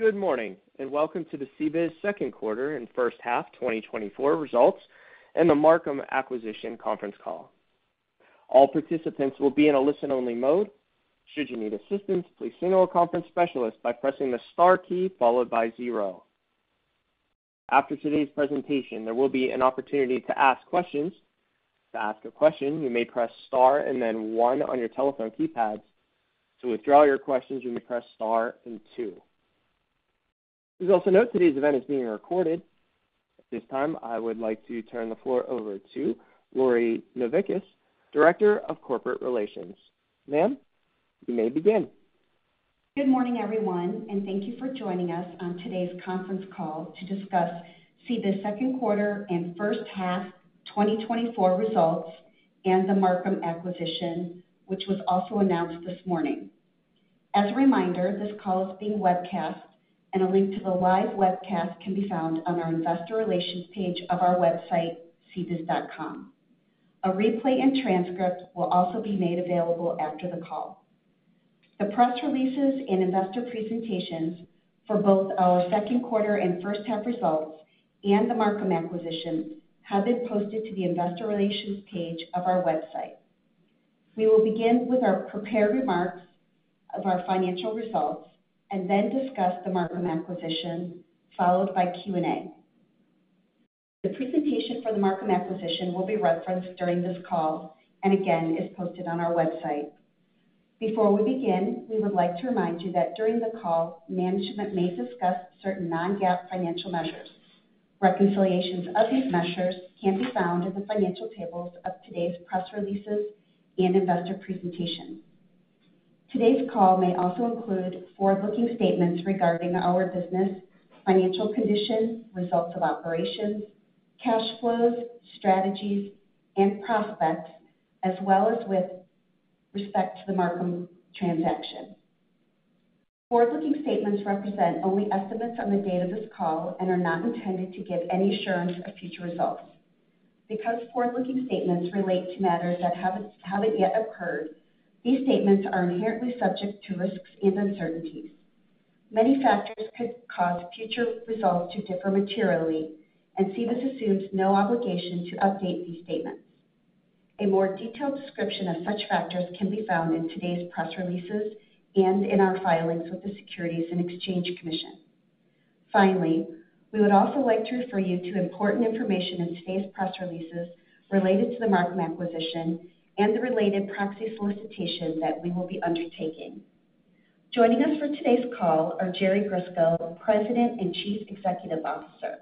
Good morning, and welco`me to the CBIZ Q2 and first-half 2024 results and the Marcum acquisition conference call. All participants will be in a listen-only mode. Should you need assistance, please signal a conference specialist by pressing the star key followed by zero. After today's presentation, there will be an opportunity to ask questions. To ask a question, you may press Star and then one on your telephone keypads. To withdraw your questions, you may press Star and two. Please also note today's event is being recorded. At this time, I would like to turn the floor over to Lori Novickis, Director of Corporate Relations. Ma'am, you may begin. Good morning, everyone, and thank you for joining us on today's conference call to discuss CBIZ Q2 and first-half 2024 results and the Marcum acquisition, which was also announced this morning. As a reminder, this call is being webcast and a link to the live webcast can be found on our investor relations page of our website, cbiz.com. A replay and transcript will also be made available after the call. The press releases and investor presentations for both our Q2 and first-half results and the Marcum acquisition have been posted to the investor relations page of our website. We will begin with our prepared remarks of our financial results and then discuss the Marcum acquisition, followed by Q&A. The presentation for the Marcum acquisition will be referenced during this call, and again, is posted on our website. Before we begin, we would like to remind you that during the call, management may discuss certain non-GAAP financial measures. Reconciliations of these measures can be found in the financial tables of today's press releases and investor presentations. Today's call may also include forward-looking statements regarding our business, financial condition, results of operations, cash flows, strategies, and prospects, as well as with respect to the Marcum transaction. Forward-looking statements represent only estimates on the date of this call and are not intended to give any assurance of future results. Because forward-looking statements relate to matters that haven't yet occurred, these statements are inherently subject to risks and uncertainties. Many factors could cause future results to differ materially, and CBIZ assumes no obligation to update these statements. A more detailed description of such factors can be found in today's press releases and in our filings with the Securities and Exchange Commission. Finally, we would also like to refer you to important information in today's press releases related to the Marcum acquisition and the related proxy solicitation that we will be undertaking. Joining us for today's call are Jerry Grisko, President and Chief Executive Officer,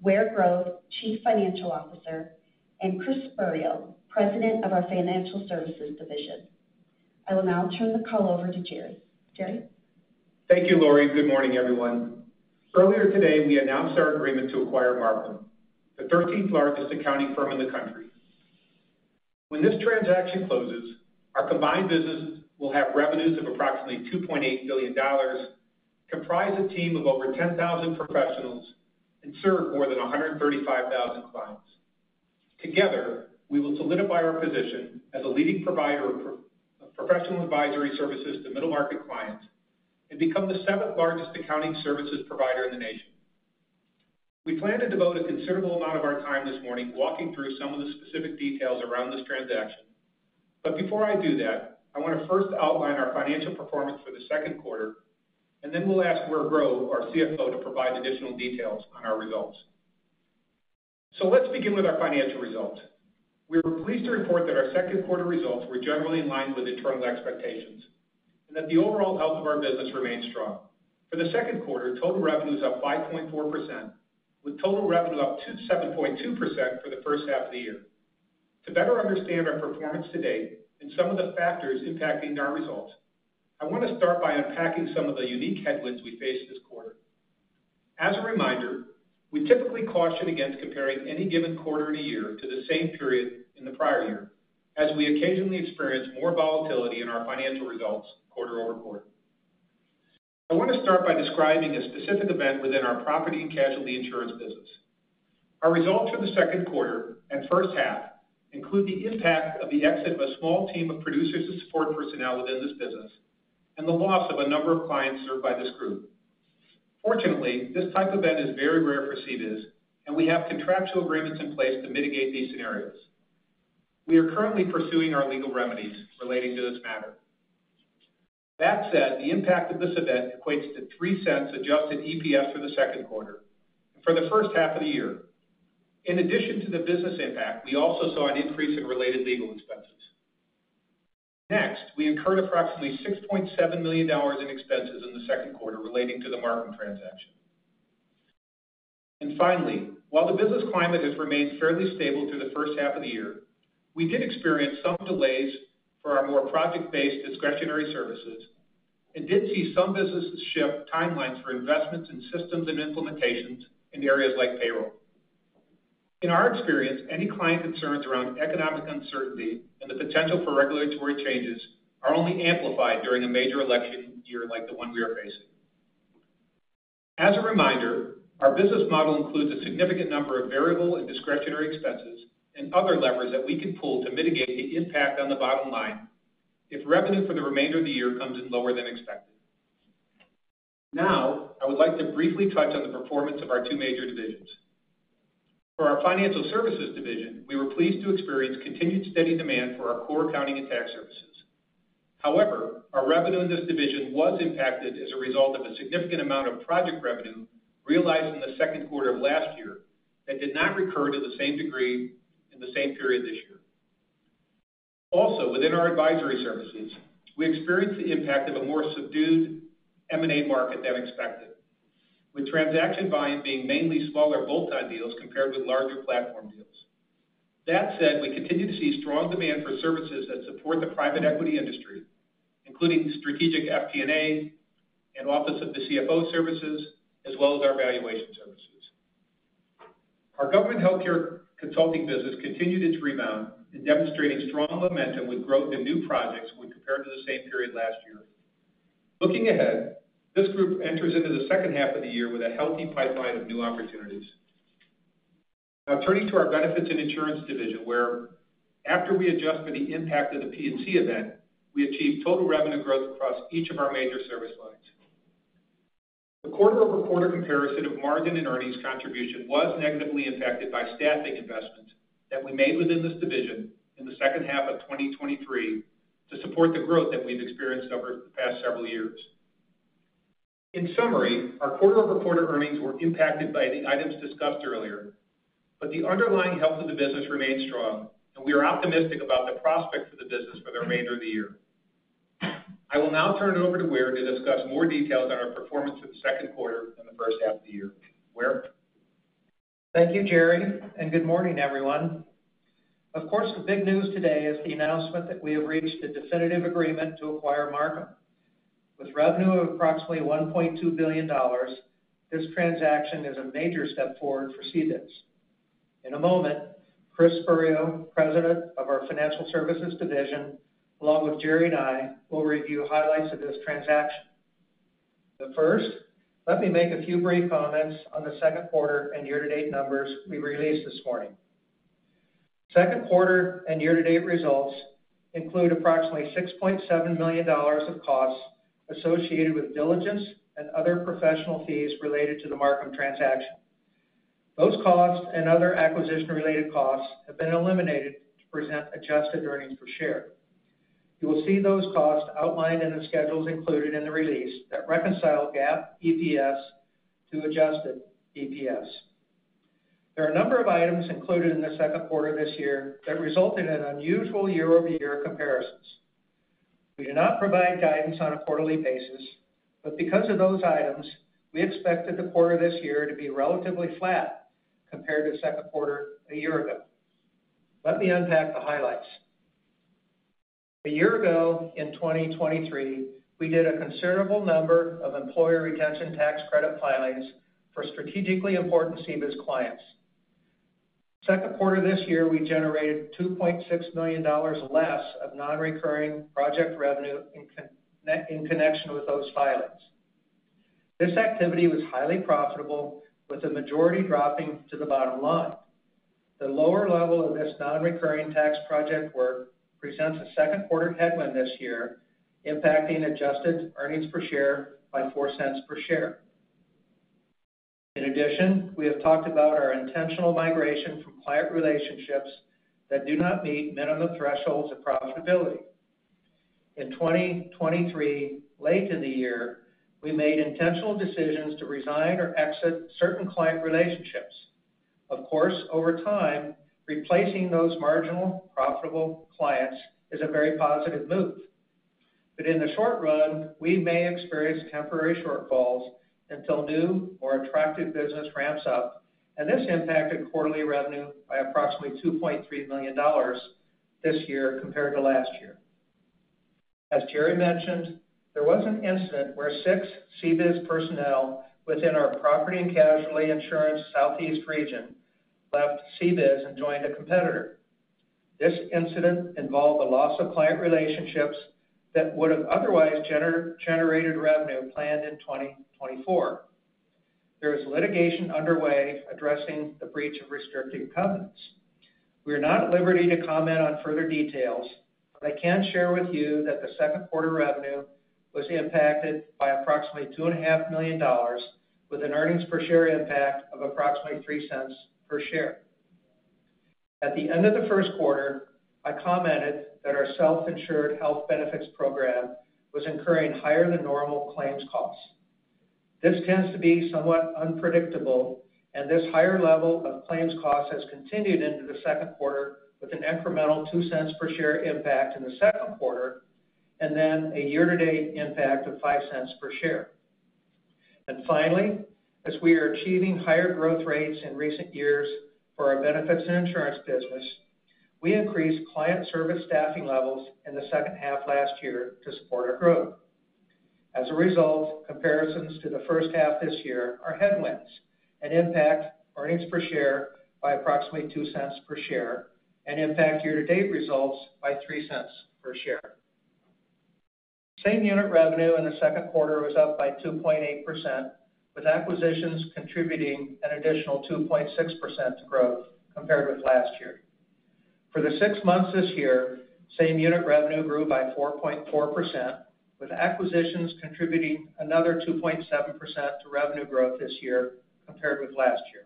Ware Grove, Chief Financial Officer, and Chris Spurio, President of our Financial Services Division. I will now turn the call over to Jerry Grisko. Jerry Grisko? Thank you, Lori Novickis. Good morning, everyone. Earlier today, we announced our agreement to acquire Marcum, the 13th largest accounting firm in the country. When this transaction closes, our combined businesses will have revenues of approximately $2.8 billion, comprise a team of over 10,000 professionals, and serve more than 135,000 clients. Together, we will solidify our position as a leading provider of professional advisory services to middle-market clients and become the seventh-largest accounting services provider in the nation. We plan to devote a considerable amount of our time this morning walking through some of the specific details around this transaction. But before I do that, I want to first outline our financial performance for the Q2, and then we'll ask Ware Grove, our CFO, to provide additional details on our results. So let's begin with our financial results. We were pleased to report that our Q2 results were generally in line with internal expectations and that the overall health of our business remains strong. For the Q2, total revenue is up 5.4%, with total revenue up 7.2% for the first-half of the year. To better understand our performance to date and some of the factors impacting our results, I want to start by unpacking some of the unique headwinds we faced this quarter. As a reminder, we typically caution against comparing any given quarter in a year to the same period in the prior year, as we occasionally experience more volatility in our financial results quarter-over-quarter. I want to start by describing a specific event within our Property and Casualty insurance business. Our results for the Q2 and first-half include the impact of the exit of a small team of producers and support personnel within this business and the loss of a number of clients served by this group. Fortunately, this type of event is very rare for CBIZ, and we have contractual agreements in place to mitigate these scenarios. We are currently pursuing our legal remedies relating to this matter. That said, the impact of this event equates to $0.03 Adjusted EPS for the Q2, for the first-half of the year. In addition to the business impact, we also saw an increase in related legal expenses. Next, we incurred approximately $6.7 million in expenses in the Q2 relating to the Marcum transaction. And finally, while the business climate has remained fairly stable through the first-half of the year, we did experience some delays for our more project-based discretionary services and did see some businesses shift timelines for investments in systems and implementations in areas like payroll. In our experience, any client concerns around economic uncertainty and the potential for regulatory changes are only amplified during a major election year like the one we are facing. As a reminder, our business model includes a significant number of variable and discretionary expenses and other levers that we can pull to mitigate the impact on the bottom line if revenue for the remainder of the year comes in lower than expected. Now, I would like to briefly touch on the performance of our two major divisions. For our Financial Services division, we were pleased to experience continued steady demand for our core accounting and tax services. However, our revenue in this division was impacted as a result of a significant amount of project revenue realized in the Q2 of last year that did not recur to the same degree in the same period this year. Also, within our advisory services, we experienced the impact of a more subdued M&A market than expected, with transaction volume being mainly smaller bolt-on deals compared with larger platform deals. That said, we continue to see strong demand for services that support the private equity industry, including strategic FP&A and Office of the CFO services, as well as our valuation services. Our government healthcare consulting business continued its rebound in demonstrating strong momentum with growth in new projects when compared to the same period last year. Looking ahead, this group enters into the second-half of the year with a healthy pipeline of new opportunities. Now turning to our Benefits and Insurance division, where after we adjust for the impact of the P&C event, we achieved total revenue growth across each of our major service lines. The quarter-over-quarter comparison of margin and earnings contribution was negatively impacted by staffing investments that we made within this division in the second-half of 2023 to support the growth that we've experienced over the past several years. In summary, our quarter-over-quarter earnings were impacted by the items discussed earlier, but the underlying health of the business remains strong, and we are optimistic about the prospects of the business for the remainder of the year. I will now turn it over to Ware Grove to discuss more details on our performance for the Q2 and the first-half of the year. Ware Grove? Thank you, Jerry Grisko, and good morning, everyone. Of course, the big news today is the announcement that we have reached a definitive agreement to acquire Marcum. With revenue of approximately $1.2 billion, this transaction is a major step forward for CBIZ. In a moment, Chris Spurio, President of our Financial Services division, along with Jerry Grisko and I, will review highlights of this transaction. But first, let me make a few brief comments on the Q2 and year-to-date numbers we released this morning. Second quarter and year-to-date results include approximately $6.7 million of costs associated with diligence and other professional fees related to the Marcum transaction. Those costs and other acquisition-related costs have been eliminated to present adjusted earnings per share. You will see those costs outlined in the schedules included in the release that reconcile GAAP EPS to Adjusted EPS. There are a number of items included in the Q2 this year that result in an unusual year-over-year comparisons. We do not provide guidance on a quarterly basis, but because of those items, we expected the quarter this year to be relatively flat compared to Q2 a year ago. Let me unpack the highlights. A year ago, in 2023, we did a considerable number of employer retention tax credit filings for strategically important CBIZ clients. Q2 this year, we generated $2.6 million less of nonrecurring project revenue in connection with those filings. This activity was highly profitable, with the majority dropping to the bottom line. The lower level of this nonrecurring tax project work presents a Q2 headwind this year, impacting adjusted earnings per share by $0.04 per share. In addition, we have talked about our intentional migration from client relationships that do not meet minimum thresholds of profitability. In 2023, late in the year, we made intentional decisions to resign or exit certain client relationships. Of course, over time, replacing those marginal profitable clients is a very positive move. But in the short-run, we may experience temporary shortfalls until new or attractive business ramps up, and this impacted quarterly revenue by approximately $2.3 million this year compared to last year. As Jerry Grisko mentioned, there was an incident where six CBIZ personnel within our property and casualty insurance Southeast region left CBIZ and joined a competitor. This incident involved the loss of client relationships that would have otherwise generated revenue planned in 2024. There is litigation underway addressing the breach of restrictive covenants. We are not at liberty to comment on further details, but I can share with you that the Q2 revenue was impacted by approximately $2.5 million, with an earnings per share impact of approximately $0.03 per share. At the end of the Q1, I commented that our self-insured health benefits program was incurring higher-than-normal claims costs. This tends to be somewhat unpredictable, and this higher level of claims costs has continued into the Q2 with an incremental $0.02 per share impact in the Q2, and then a year-to-date impact of $0.05 per share. Finally, as we are achieving higher growth rates in recent years for our benefits and insurance business, we increased client service staffing levels in the second-half last year to support our growth. As a result, comparisons to the first-half this year are headwinds and impact earnings per share by approximately $0.02 per share and impact year-to-date results by $0.03 per share. Same-unit revenue in the Q2 was up by 2.8%, with acquisitions contributing an additional 2.6% to growth compared with last year. For the six months this year, same-unit revenue grew by 4.4%, with acquisitions contributing another 2.7% to revenue growth this year compared with last year.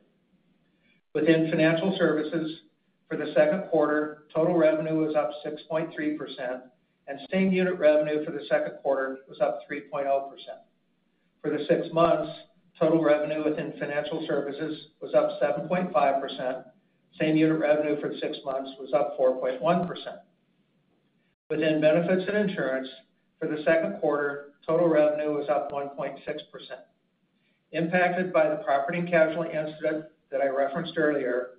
Within financial services, for the Q2, total revenue was up 6.3%, and same-unit revenue for the Q2 was up 3.0%. For the six months, total revenue within financial services was up 7.5%. Same-unit revenue for the six months was up 4.1%. Within benefits and insurance, for the Q2, total revenue was up 1.6%. Impacted by the property and casualty incident that I referenced earlier,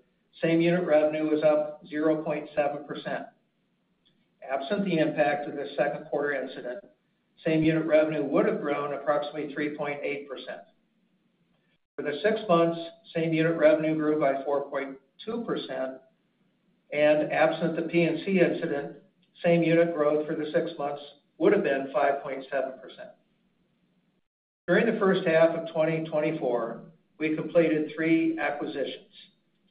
same-unit revenue was up 0.7%. Absent the impact of the Q2 incident, same-unit revenue would have grown approximately 3.8%. For the six months, same-unit revenue grew by 4.2%, and absent the P&C incident, same-unit growth for the six months would have been 5.7%. During the first-half of 2024, we completed three acquisitions,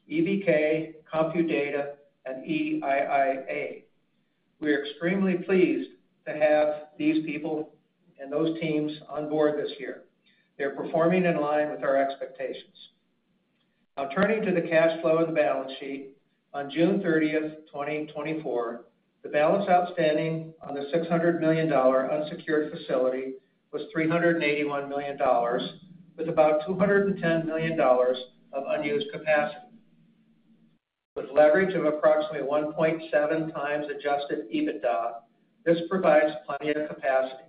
EBK, CompuData, and EIIA. We are extremely pleased to have these people and those teams on board this year. They're performing in line with our expectations. Now, turning to the cash flow and the balance sheet, on June 30th, 2024, the balance outstanding on the $600 million unsecured facility was $381 million, with about $210 million of unused capacity. With leverage of approximately 1.7x Adjusted EBITDA, this provides plenty of capacity.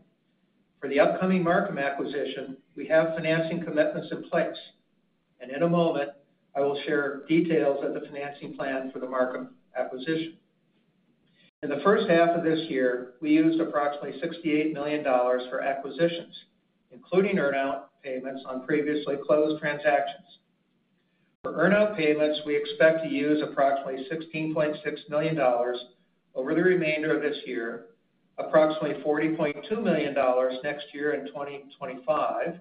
For the upcoming Marcum acquisition, we have financing commitments in place, and in a moment, I will share details of the financing plan for the Marcum acquisition. In the first-half of this year, we used approximately $68 million for acquisitions, including earn-out payments on previously closed transactions. For earn-out payments, we expect to use approximately $16.6 million over the remainder of this year, approximately $40.2 million next year in 2025,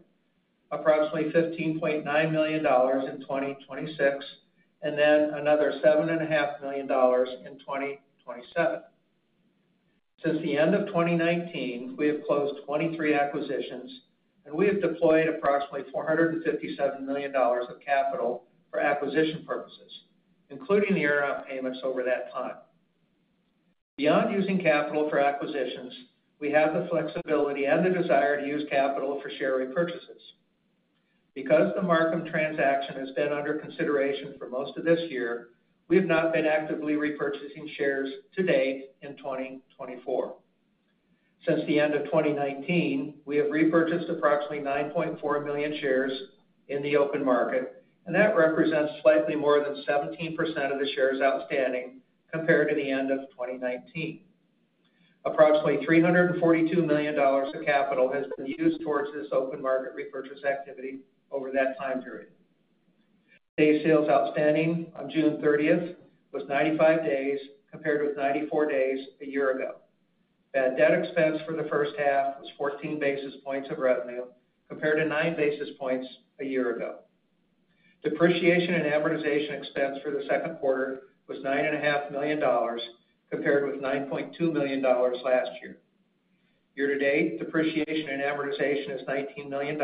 approximately $15.9 million in 2026, and then another $7.5 million in 2027. Since the end of 2019, we have closed 23 acquisitions, and we have deployed approximately $457 million of capital for acquisition purposes, including the earn-out payments over that time. Beyond using capital for acquisitions, we have the flexibility and the desire to use capital for share repurchases. Because the Marcum transaction has been under consideration for most of this year, we have not been actively repurchasing shares to date in 2024. Since the end of 2019, we have repurchased approximately 9.4 million shares in the open market, and that represents slightly more than 17% of the shares outstanding compared to the end of 2019. Approximately $342 million of capital has been used towards this open market repurchase activity over that time period. Day sales outstanding on June 30th was 95 days, compared with 94 days a year ago. Bad debt expense for the first-half was 14 basis points of revenue, compared to 9 basis points a year ago. Depreciation and amortization expense for the Q2 was $9.5 million, compared with $9.2 million last year. Year-to-date, depreciation and amortization is $19 million,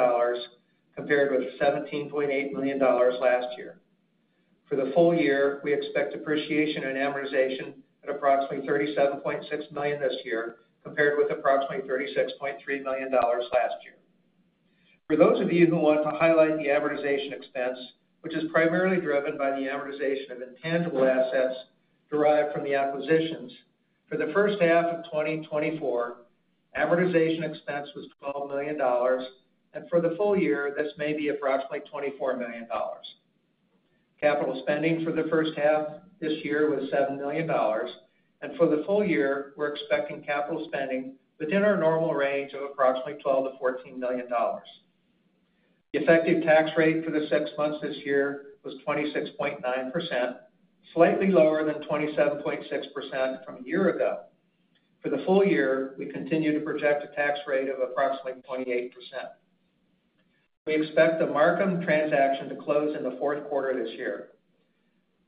compared with $17.8 million last year. For the full year, we expect depreciation and amortization at approximately $37.6 million this year, compared with approximately $36.3 million last year. For those of you who want to highlight the amortization expense, which is primarily driven by the amortization of intangible assets derived from the acquisitions, for the first-half of 2024, amortization expense was $12 million, and for the full year, this may be approximately $24 million. Capital spending for the first-half this year was $7 million, and for the full year, we're expecting capital spending within our normal range of approximately $12 million-$14 million. The effective tax rate for the six months this year was 26.9%, slightly lower than 27.6% from a year ago. For the full year, we continue to project a tax rate of approximately 28%. We expect the Marcum transaction to close in the Q4 this year.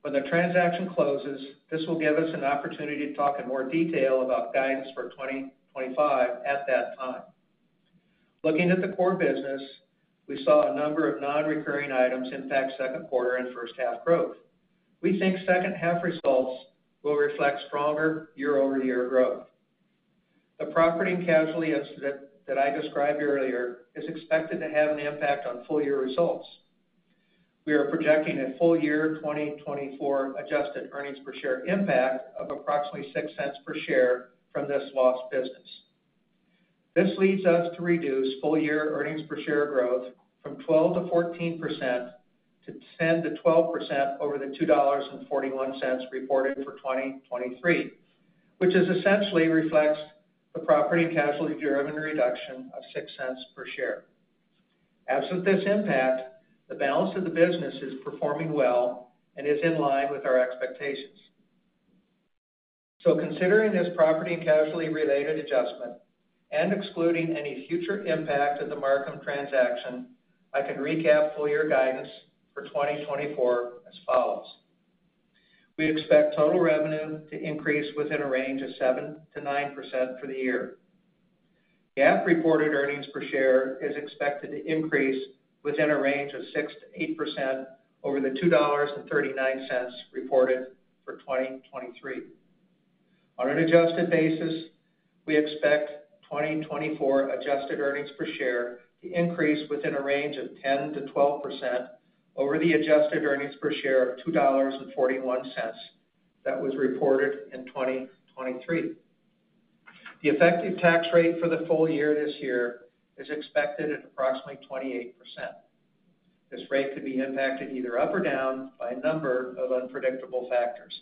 When the transaction closes, this will give us an opportunity to talk in more detail about guidance for 2025 at that time. Looking at the core business, we saw a number of non-recurring items impact Q2 and first-half growth. We think second-half results will reflect stronger year-over-year growth. The Property and Casualty incident that I described earlier is expected to have an impact on full year results. We are projecting a full year 2024 adjusted earnings per share impact of approximately $0.06 per share from this lost business. This leads us to reduce full-year earnings per share growth from 12%-14% to 10%-12% over the $2.41 reported for 2023, which essentially reflects the Property and Casualty driven reduction of $0.06 per share.... absent this impact, the balance of the business is performing well and is in line with our expectations. So considering this Property and Casualty-related adjustment, and excluding any future impact of the Marcum transaction, I can recap full year guidance for 2024 as follows: We expect total revenue to increase within a range of 7%-9% for the year. GAAP reported earnings per share is expected to increase within a range of 6%-8% over the $2.39 reported for 2023. On an adjusted basis, we expect 2024 adjusted earnings per share to increase within a range of 10%-12% over the adjusted earnings per share of $2.41 that was reported in 2023. The effective tax rate for the full year this year is expected at approximately 28%. This rate could be impacted either up or down by a number of unpredictable factors.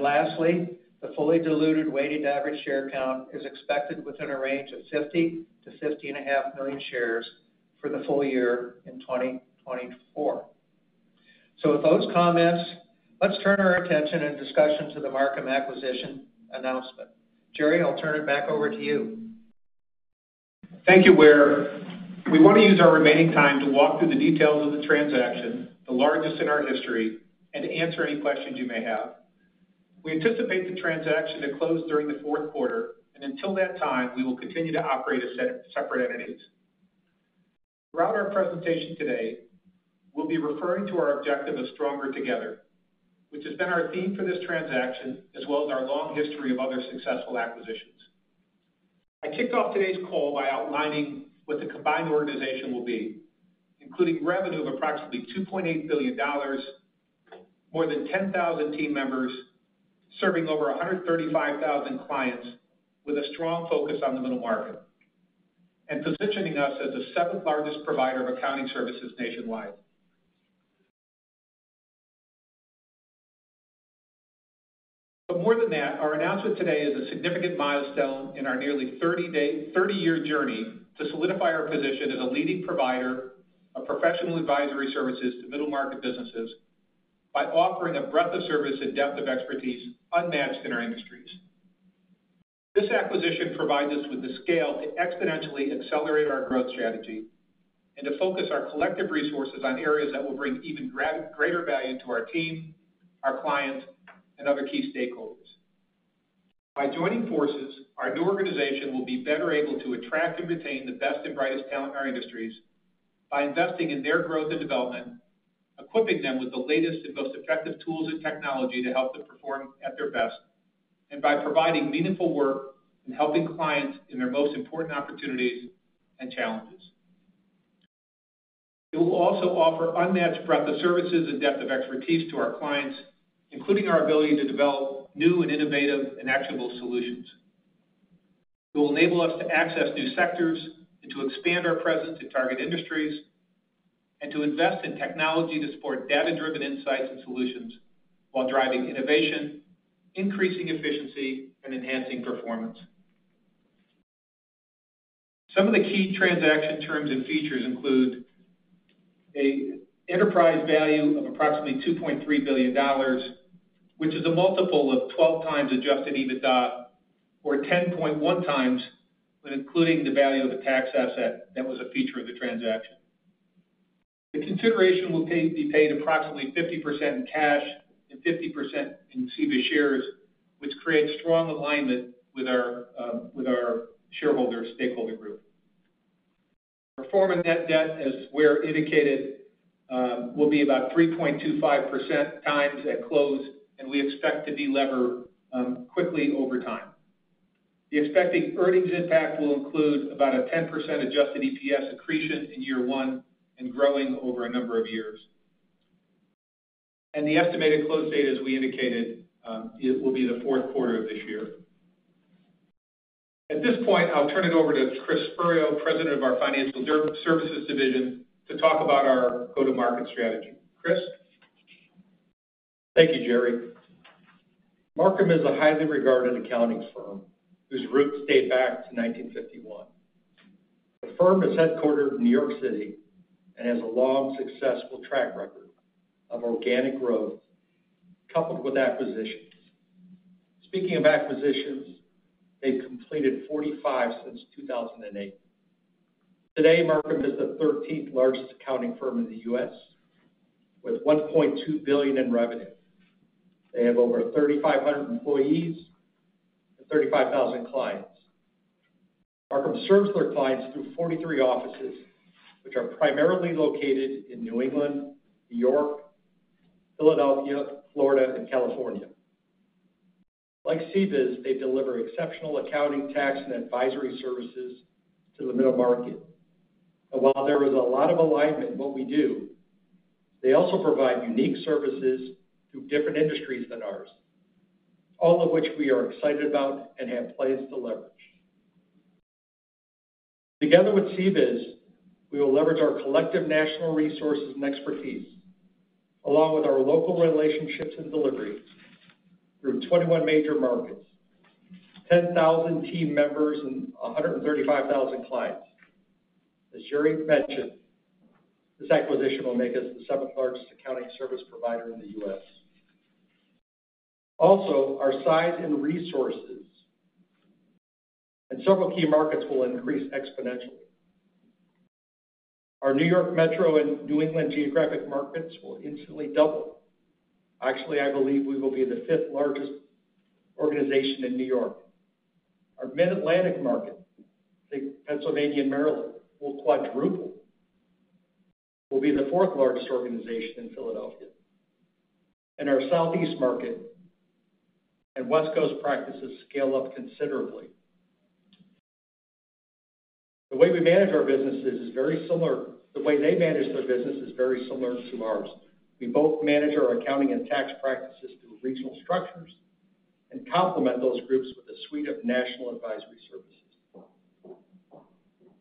Lastly, the fully diluted weighted average share count is expected within a range of 50 million shares-50.5 million shares for the full year in 2024. With those comments, let's turn our attention and discussion to the Marcum acquisition announcement. Jerry Grisko, I'll turn it back over to you. Thank you, Ware Grove. We want to use our remaining time to walk through the details of the transaction, the largest in our history, and to answer any questions you may have. We anticipate the transaction to close during the Q4, and until that time, we will continue to operate as separate entities. Throughout our presentation today, we'll be referring to our objective of stronger together, which has been our theme for this transaction, as well as our long history of other successful acquisitions. I kicked off today's call by outlining what the combined organization will be, including revenue of approximately $2.8 billion, more than 10,000 team members, serving over 135,000 clients with a strong focus on the middle market, and positioning us as the seventh-largest provider of accounting services nationwide. But more than that, our announcement today is a significant milestone in our nearly 30-year journey to solidify our position as a leading provider of professional advisory services to middle-market businesses by offering a breadth of service and depth of expertise unmatched in our industries. This acquisition provides us with the scale to exponentially accelerate our growth strategy and to focus our collective resources on areas that will bring even greater value to our team, our clients, and other key stakeholders. By joining forces, our new organization will be better able to attract and retain the best and brightest talent in our industries by investing in their growth and development, equipping them with the latest and most effective tools and technology to help them perform at their best, and by providing meaningful work and helping clients in their most important opportunities and challenges. It will also offer unmatched breadth of services and depth of expertise to our clients, including our ability to develop new and innovative and actionable solutions. It will enable us to access new sectors and to expand our presence in target industries, and to invest in technology to support data-driven insights and solutions while driving innovation, increasing efficiency, and enhancing performance. Some of the key transaction terms and features include an enterprise value of approximately $2.3 billion, which is a multiple of 12x Adjusted EBITDA, or 10.1x, when including the value of the tax asset that was a feature of the transaction. The consideration will be paid approximately 50% in cash and 50% in CBIZ shares, which creates strong alignment with our, with our shareholder stakeholder group. Pro forma net debt, as Ware Grove indicated, will be about 3.25x at close, and we expect to delever quickly over time. The expected earnings impact will include about a 10% Adjusted EPS accretion in year one and growing over a number of years. The estimated close date, as we indicated, it will be the Q4 of this year. At this point, I'll turn it over to Chris Spurio, President of our Financial Services division, to talk about our go-to-market strategy. Chris Spurio? Thank you, Jerry Grisko. Marcum is a highly regarded accounting firm whose roots date back to 1951. The firm is headquartered in New York City and has a long, successful track record of organic growth, coupled with acquisitions. Speaking of acquisitions, they've completed 45 since 2008. Today, Marcum is the thirteenth-largest accounting firm in the U.S., with $1.2 billion in revenue. They have over 3,500 employees and 35,000 clients. Marcum serves their clients through 43 offices, which are primarily located in New England, New York, Philadelphia, Florida, and California. Like CBIZ, they deliver exceptional accounting, tax, and advisory services to the middle market. And while there is a lot of alignment in what we do, they also provide unique services to different industries than ours, all of which we are excited about and have plans to leverage. Together with CBIZ, we will leverage our collective national resources and expertise, along with our local relationships and delivery, through 21 major markets... 10,000 team members and 135,000 clients. As Jerry Grisko mentioned, this acquisition will make us the seventh largest accounting service provider in the U.S. Also, our size and resources in several key markets will increase exponentially. Our New York Metro and New England geographic markets will instantly double. Actually, I believe we will be the fifth largest organization in New York. Our Mid-Atlantic market, think Pennsylvania and Maryland, will quadruple. We'll be the fourth largest organization in Philadelphia. And our Southeast market and West Coast practices scale up considerably. The way we manage our businesses is very similar. The way they manage their business is very similar to ours. We both manage our accounting and tax practices through regional structures and complement those groups with a suite of national advisory services.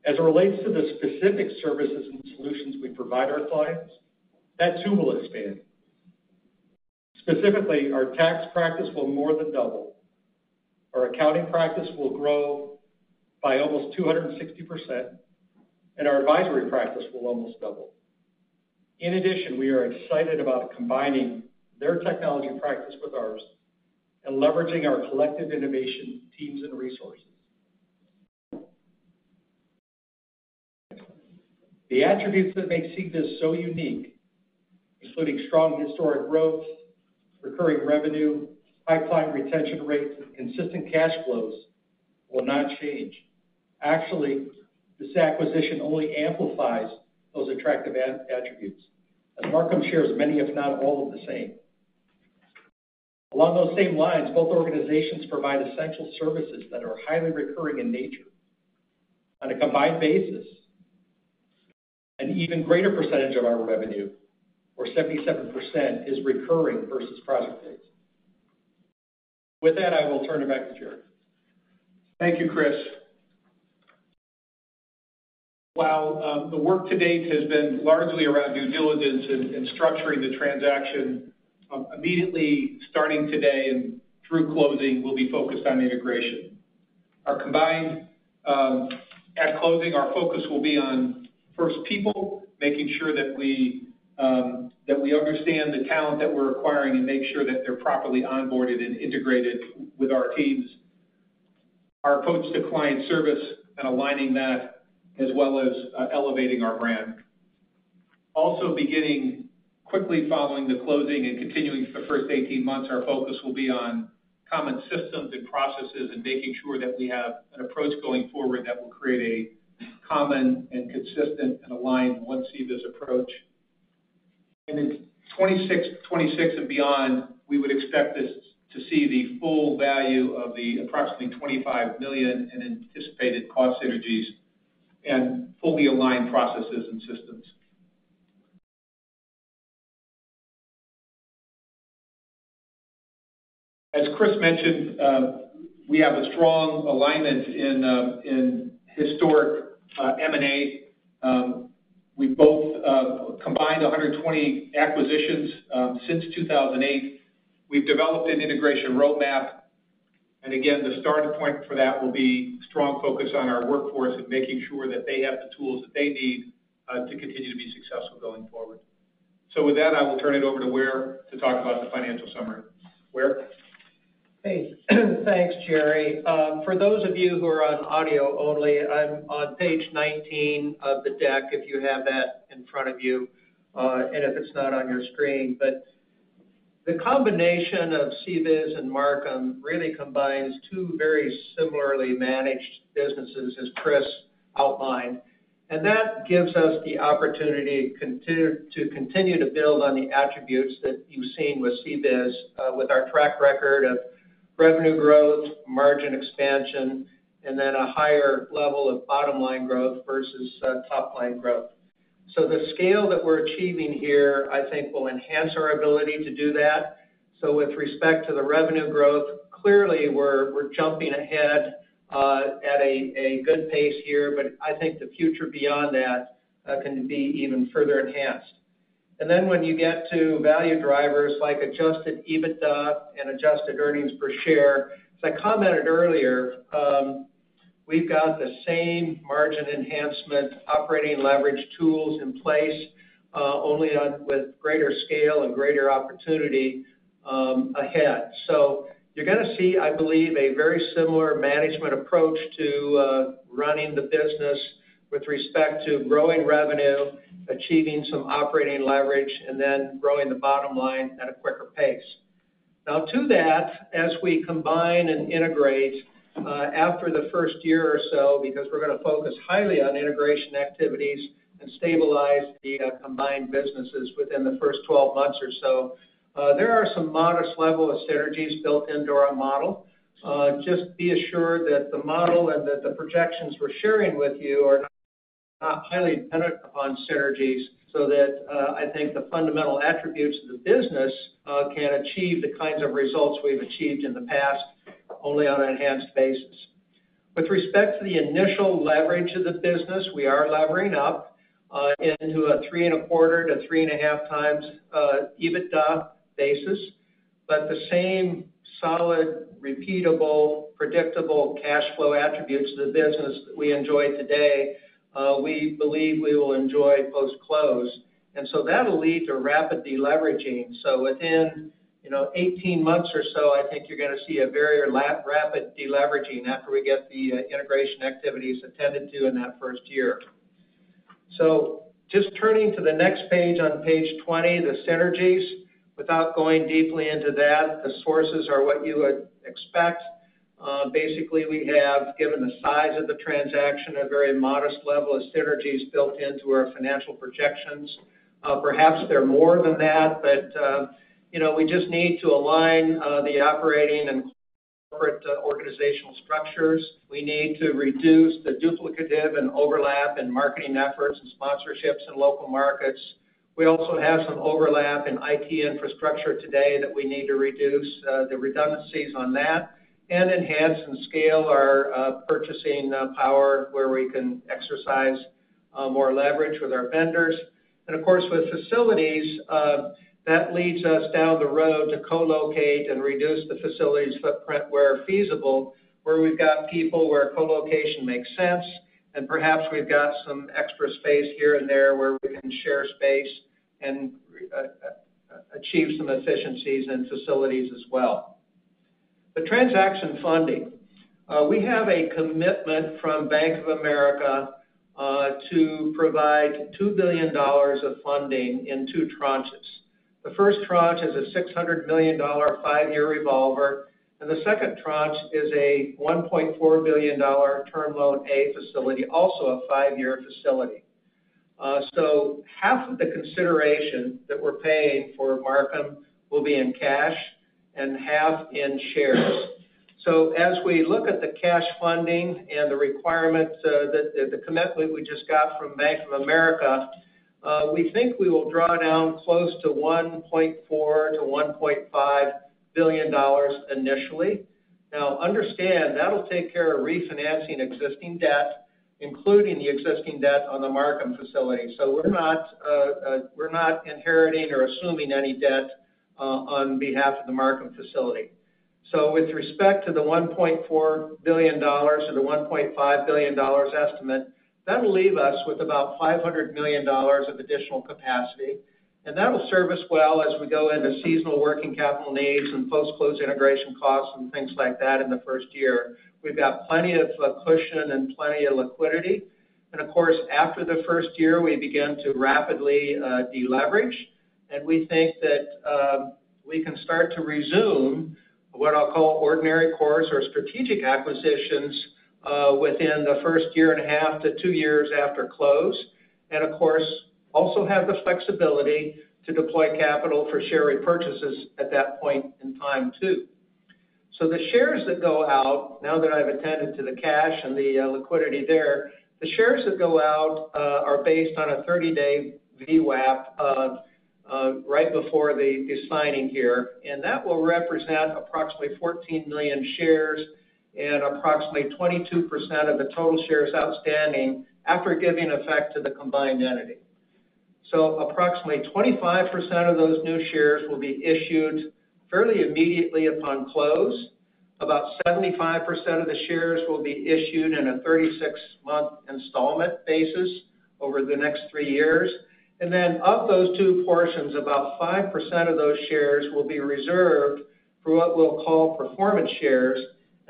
As it relates to the specific services and solutions we provide our clients, that too, will expand. Specifically, our tax practice will more than double. Our accounting practice will grow by almost 260%, and our advisory practice will almost double. In addition, we are excited about combining their technology practice with ours and leveraging our collective innovation teams and resources. The attributes that make CBIZ so unique, including strong historic growth, recurring revenue, high client retention rates, and consistent cash flows, will not change. Actually, this acquisition only amplifies those attractive attributes, as Marcum shares many, if not all, of the same. Along those same lines, both organizations provide essential services that are highly recurring in nature. On a combined basis, an even greater percentage of our revenue, or 77%, is recurring versus project-based. With that, I will turn it back to Jerry Grisko. Thank you, Chris Spurio. While the work to date has been largely around due diligence and structuring the transaction, immediately starting today and through closing, we'll be focused on integration. Our combined at closing, our focus will be on first, people, making sure that we understand the talent that we're acquiring and make sure that they're properly onboarded and integrated with our teams. Our approach to client service and aligning that, as well as elevating our brand. Also, beginning quickly following the closing and continuing for the first 18 months, our focus will be on common systems and processes and making sure that we have an approach going forward that will create a common and consistent, and aligned one CBIZ approach. In 2026, 2026 and beyond, we would expect this to see the full value of the approximately $25 million in anticipated cost synergies and fully aligned processes and systems. As Chris Spurio mentioned, we have a strong alignment in historic M&A. We both combined 120 acquisitions since 2008. We've developed an integration roadmap, and again, the starting point for that will be strong focus on our workforce and making sure that they have the tools that they need to continue to be successful going forward. So with that, I will turn it over to Ware Grove to talk about the financial summary. Ware Grove? Hey, thanks, Jerry Grisko. For those of you who are on audio only, I'm on page 19 of the deck, if you have that in front of you, and if it's not on your screen. But the combination of CBIZ and Marcum really combines two very similarly managed businesses, as Chris outlined, and that gives us the opportunity to continue to build on the attributes that you've seen with CBIZ, with our track record of revenue growth, margin expansion, and then a higher level of bottom line growth versus top line growth. So the scale that we're achieving here, I think, will enhance our ability to do that. So with respect to the revenue growth, clearly we're jumping ahead at a good pace here, but I think the future beyond that can be even further enhanced. Then when you get to value drivers, like Adjusted EBITDA and adjusted earnings per share, as I commented earlier, we've got the same margin enhancement, operating leverage tools in place, only on with greater scale and greater opportunity, ahead. So you're gonna see, I believe, a very similar management approach to running the business with respect to growing revenue, achieving some operating leverage, and then growing the bottom line at a quicker pace. Now to that, as we combine and integrate, after the first year or so, because we're gonna focus highly on integration activities and stabilize the combined businesses within the first 12 months or so, there are some modest level of synergies built into our model. Just be assured that the model and that the projections we're sharing with you are not highly dependent upon synergies, so that, I think the fundamental attributes of the business can achieve the kinds of results we've achieved in the past, only on an enhanced basis. With respect to the initial leverage of the business, we are levering up into a 3.25x-3.5x EBITDA basis. But the same solid, repeatable, predictable cash flow attributes of the business that we enjoy today, we believe we will enjoy post-close, and so that'll lead to rapid deleveraging. So within, you know, 18 months or so, I think you're gonna see a very rapid deleveraging after we get the integration activities attended to in that first year. So just turning to the next page, on Page 20, the synergies. Without going deeply into that, the sources are what you would expect. Basically, we have, given the size of the transaction, a very modest level of synergies built into our financial projections. Perhaps they're more than that, but, you know, we just need to align the operating and corporate organizational structures. We need to reduce the duplicative and overlap in marketing efforts and sponsorships in local markets. We also have some overlap in IT infrastructure today that we need to reduce the redundancies on that and enhance and scale our purchasing power, where we can exercise more leverage with our vendors. And of course, with facilities, that leads us down the road to co-locate and reduce the facilities' footprint where feasible, where we've got people where co-location makes sense, and perhaps we've got some extra space here and there where we can share space and, achieve some efficiencies in facilities as well. The transaction funding. We have a commitment from Bank of America to provide $2 billion of funding in two tranches. The first tranche is a $600 million five-year revolver, and the second tranche is a $1.4 billion term loan, a facility, also a five-year facility. So half of the consideration that we're paying for Marcum will be in cash and half in shares. So as we look at the cash funding and the requirements, the commitment we just got from Bank of America, we think we will draw down close to $1.4 billion-$1.5 billion initially. Now, understand, that'll take care of refinancing existing debt, including the existing debt on the Marcum facility. So we're not inheriting or assuming any debt on behalf of the Marcum facility. So with respect to the $1.4 billion or the $1.5 billion estimate, that'll leave us with about $500 million of additional capacity, and that'll serve us well as we go into seasonal working capital needs and post-close integration costs and things like that in the first year. We've got plenty of cushion and plenty of liquidity. Of course, after the first year, we begin to rapidly deleverage, and we think that we can start to resume what I'll call ordinary course or strategic acquisitions within the first year and 1/2 to two years after close. And of course, also have the flexibility to deploy capital for share repurchases at that point in time, too. So the shares that go out, now that I've attended to the cash and the liquidity there, the shares that go out are based on a 30-day VWAP right before the signing here, and that will represent approximately 14 million shares and approximately 22% of the total shares outstanding after giving effect to the combined entity. So approximately 25% of those new shares will be issued fairly immediately upon close. About 75% of the shares will be issued in a 36-month installment basis over the next 3 years. And then of those two portions, about 5% of those shares will be reserved for what we'll call performance shares,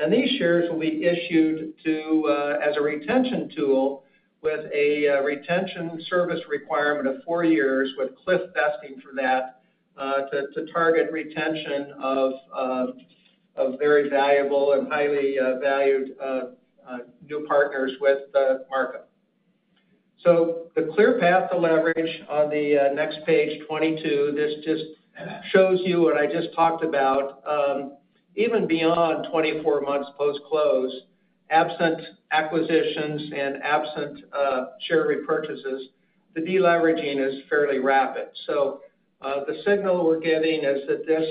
and these shares will be issued to, as a retention tool with a, retention service requirement of 4 years, with cliff vesting for that, to target retention of, of very valuable and highly valued, new partners with, Marcum. So the clear path to leverage on the, next page, 22, this just shows you what I just talked about. Even beyond 24 months post-close, absent acquisitions and absent, share repurchases, the deleveraging is fairly rapid. So, the signal we're getting is that this,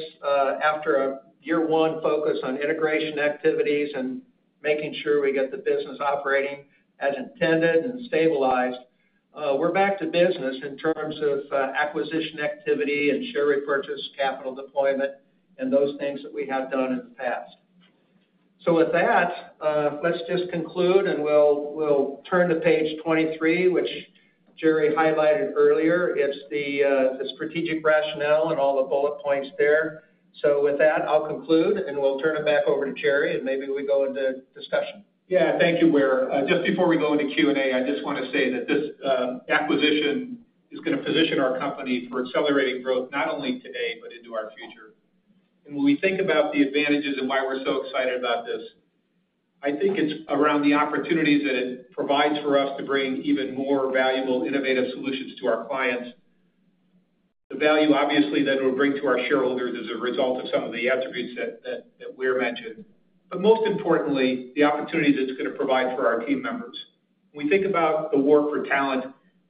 after a year one focus on integration activities and making sure we get the business operating as intended and stabilized, we're back to business in terms of acquisition activity and share repurchase, capital deployment, and those things that we have done in the past. So with that, let's just conclude, and we'll turn to page 23, which Jerry Grisko highlighted earlier. It's the strategic rationale and all the bullet points there. So with that, I'll conclude, and we'll turn it back over to Jerry Grisko, and maybe we go into discussion. Yeah. Thank you, Ware Grove. Just before we go into Q&A, I just want to say that this acquisition is gonna position our company for accelerating growth, not only today, but into our future. And when we think about the advantages and why we're so excited about this, I think it's around the opportunities that it provides for us to bring even more valuable, innovative solutions to our clients. The value, obviously, that it will bring to our shareholders as a result of some of the attributes that Ware Grove mentioned, but most importantly, the opportunities it's gonna provide for our team members.... We think about the war for talent,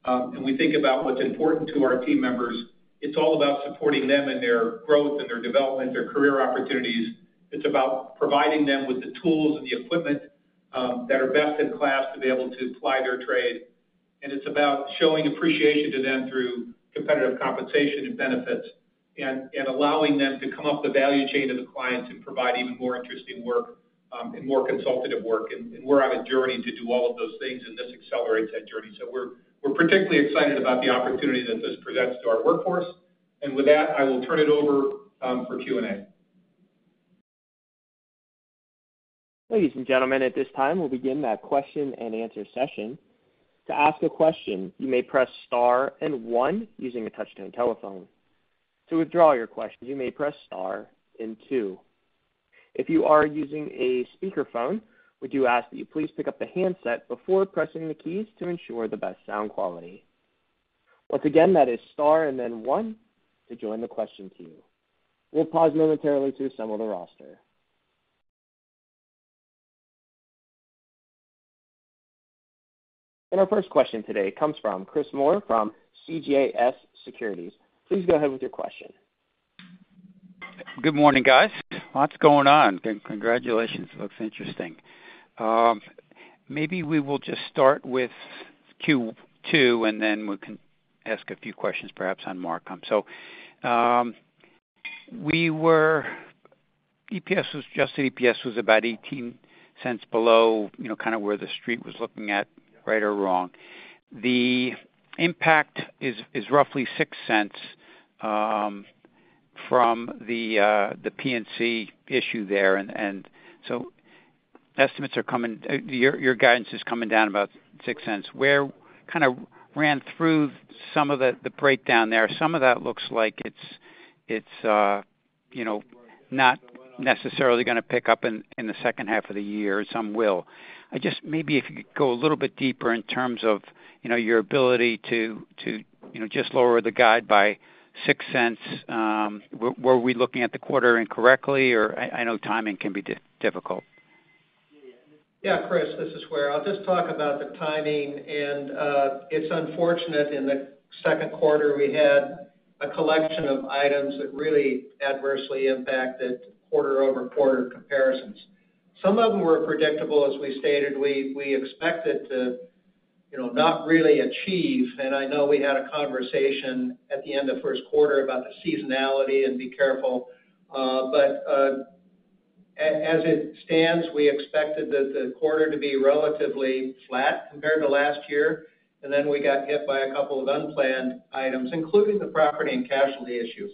and we think about what's important to our team members. It's all about supporting them in their growth, and their development, their career opportunities. It's about providing them with the tools and the equipment that are best in class to be able to ply their trade. And it's about showing appreciation to them through competitive compensation and benefits, and allowing them to come up the value chain of the client to provide even more interesting work, and more consultative work. And we're on a journey to do all of those things, and this accelerates that journey. So we're particularly excited about the opportunity that this presents to our workforce. And with that, I will turn it over for Q&A. Ladies and gentlemen, at this time, we'll begin that Q&A session. To ask a question, you may press star and one using a touchtone telephone. To withdraw your question, you may press star and two. If you are using a speakerphone, we do ask that you please pick up the handset before pressing the keys to ensure the best sound quality. Once again, that is star and then one to join the question queue. We'll pause momentarily to assemble the roster. And our first question today comes Christopher Moore from CJS Securities. Please go ahead with your question. Good morning, guys. Lots going on. Congratulations. Looks interesting. Maybe we will just start with Q2, and then we can ask a few questions, perhaps on Marcum. So, EPS was, Adjusted EPS was about $0.18 below, you know, kind of where the street was looking at, right or wrong. The impact is roughly $0.06 from the P&C issue there, and so estimates are coming—your guidance is coming down about $0.06. Where... Kind of ran through some of the breakdown there. Some of that looks like it's you know, not necessarily gonna pick up in the second-half of the year, some will. I just maybe if you could go a little bit deeper in terms of, you know, your ability to, to, you know, just lower the guide by $0.06. Were we looking at the quarter incorrectly, or I know timing can be difficult. Christopher Moore, this is Ware Grove. I'll just talk about the timing, and it's unfortunate, in the Q2, we had a collection of items that really adversely impacted quarter-over-quarter comparisons. Some of them were predictable. As we stated, we expected to, you know, not really achieve, and I know we had a conversation at the end of Q1 about the seasonality and be careful, but as it stands, we expected the quarter to be relatively flat compared to last year, and then we got hit by a couple of unplanned items, including the Property and Casualty issue.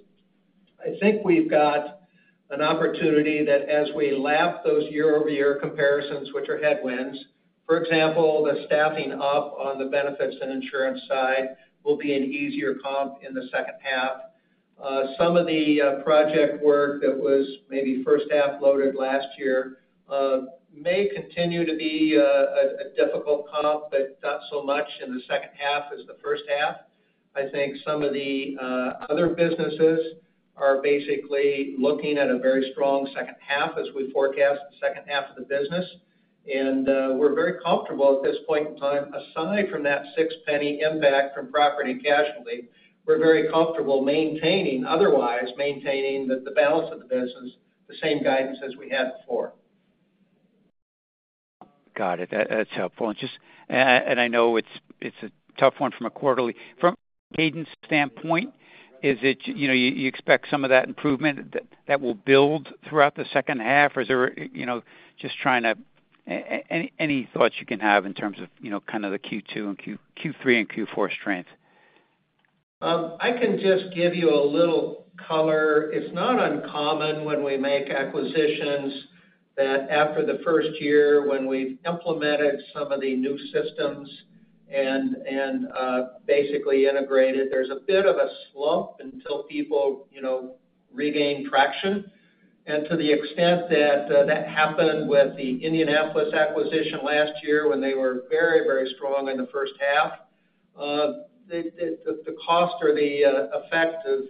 I think we've got an opportunity that as we lap those year-over-year comparisons, which are headwinds, for example, the staffing up on the benefits and insurance side will be an easier comp in the second-half. Some of the project work that was maybe first-half loaded last year may continue to be a difficult comp, but not so much in the second-half as the first-half. I think some of the other businesses are basically looking at a very strong second-half as we forecast the second-half of the business, and we're very comfortable at this point in time, aside from that $0.06 impact from Property and Casualty, we're very comfortable maintaining otherwise, maintaining the balance of the business, the same guidance as we had before. Got it. That's helpful. And just, and I know it's a tough one from a quarterly... From a cadence standpoint, is it, you know, you expect some of that improvement that will build throughout the second-half? Or is there, you know, just trying to... Any thoughts you can have in terms of, you know, kind of the Q2 and Q3 and Q4 strengths? I can just give you a little color. It's not uncommon when we make acquisitions, that after the first year, when we've implemented some of the new systems and basically integrated, there's a bit of a slump until people, you know, regain traction. And to the extent that that happened with the Indianapolis acquisition last year, when they were very, very strong in the first-half, the cost or the effect of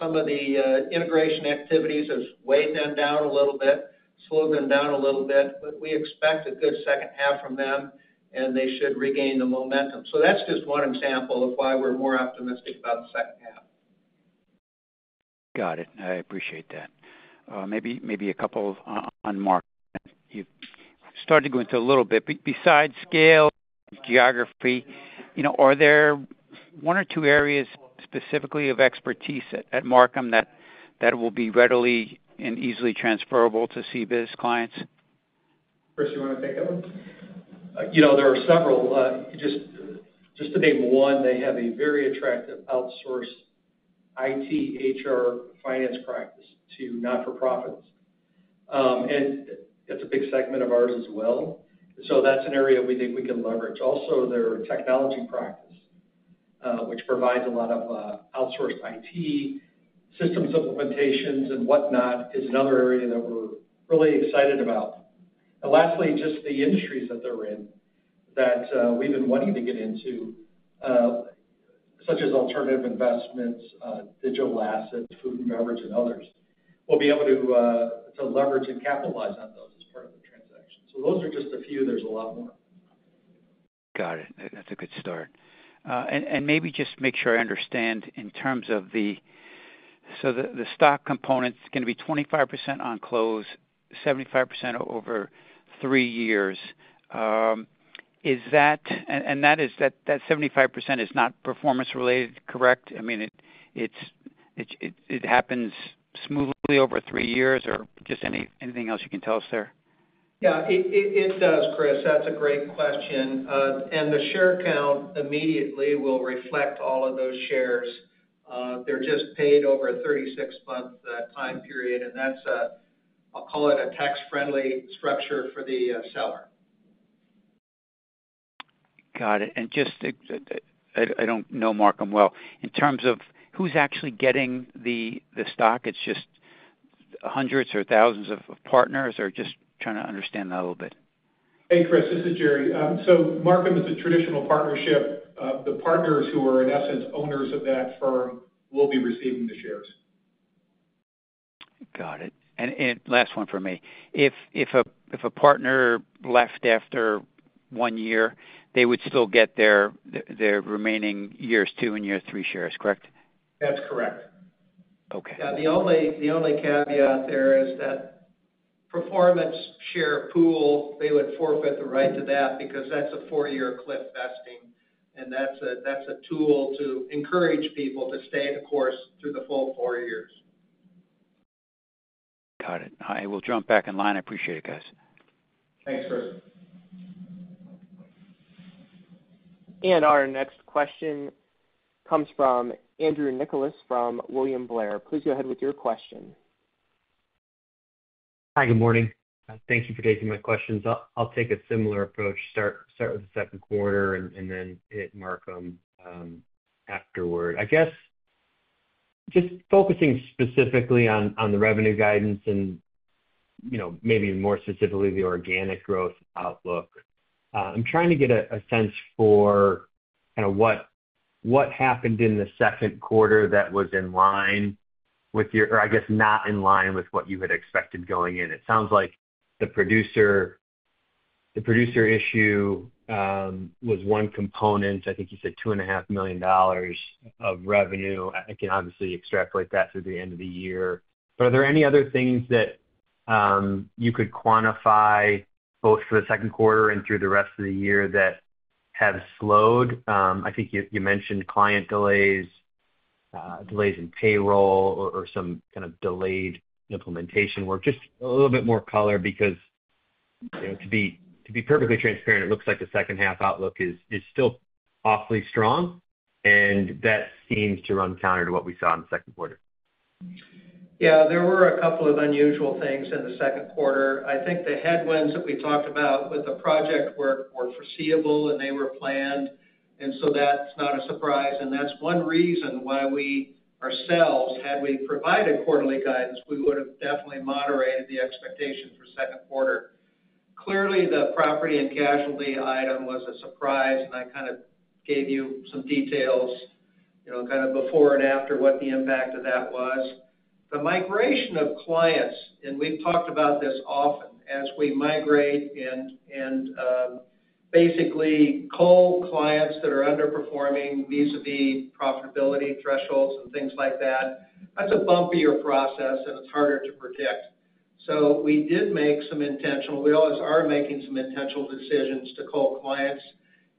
some of the integration activities has weighed them down a little bit, slowed them down a little bit, but we expect a good second-half from them, and they should regain the momentum. So that's just one example of why we're more optimistic about the second-half. Got it. I appreciate that. Maybe a couple on Marcum. You've started to go into a little bit, besides scale, geography, you know, are there one or two areas specifically of expertise at Marcum that will be readily and easily transferable to CBIZ clients? Chris Spurio, you want to take that one? You know, there are several. Just to name one, they have a very attractive outsourced IT, HR, finance practice to not-for-profits. And that's a big segment of ours as well. So that's an area we think we can leverage. Also, their technology practice, which provides a lot of outsourced IT, system implementations and whatnot, is another area that we're really excited about. And lastly, just the industries that they're in that we've been wanting to get into, such as alternative investments, digital assets, food and beverage and others, will be able to leverage and capitalize on those as part of the transaction. So those are just a few, there's a lot more. Got it. That's a good start. And maybe just to make sure I understand in terms of the, so the stock component's gonna be 25% on close, 75% over three years. Is that, and that is, that 75% is not performance related, correct? I mean, it happens smoothly over three years or just anything else you can tell us there? Yeah, Christopher Moore. That's a great question. And the share count immediately will reflect all of those shares. They're just paid over a 36-month time period, and that's, I'll call it a tax-friendly structure for the seller. Got it. And just, I don't know Marcum well. In terms of who's actually getting the stock, it's just hundreds or thousands of partners, or just trying to understand that a little bit. Christopher Moore, this is Jerry Grisko. So Marcum is a traditional partnership. The partners who are, in essence, owners of that firm, will be receiving the shares. Got it. And last one from me. If a partner left after one year, they would still get their remaining years two and year three shares, correct? That's correct. Okay. Now, the only caveat there is that performance share pool, they would forfeit the right to that because that's a four-year cliff vesting, and that's a tool to encourage people to stay the course through the full four years. Got it. I will jump back in line. I appreciate it, guys. Thanks, Christopher Moore. Our next question comes from Andrew Nicholas from William Blair. Please go ahead with your question. Hi, good morning. Thank you for taking my questions. I'll take a similar approach. Start with the Q2 and then hit Marcum afterward. I guess just focusing specifically on the revenue guidance and, you know, maybe more specifically, the organic growth outlook. I'm trying to get a sense for kind of what happened in the Q2 that was in line with your... Or I guess, not in line with what you had expected going in. It sounds like the producer issue was one component. I think you said $2.5 million of revenue. I can obviously extrapolate that through the end of the year. But are there any other things that you could quantify, both for the Q2 and through the rest of the year, that have slowed? I think you mentioned client delays, delays in payroll or some kind of delayed implementation work. Just a little bit more color, because, you know, to be perfectly transparent, it looks like the second-half outlook is still awfully strong, and that seems to run counter to what we saw in the Q2. Yeah, there were a couple of unusual things in the Q2. I think the headwinds that we talked about with the project work were foreseeable, and they were planned, and so that's not a surprise. That's one reason why we, ourselves, had we provided quarterly guidance, we would have definitely moderated the expectation for Q2. Clearly, the property and casualty item was a surprise, and I kind of gave you some details, you know, kind of before and after, what the impact of that was. The migration of clients, and we've talked about this often, as we migrate and basically cull clients that are underperforming vis-a-vis profitability thresholds and things like that, that's a bumpier process, and it's harder to predict. So we did make some intentional—we always are making some intentional decisions to cull clients,